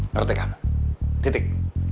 ngerti kamu titik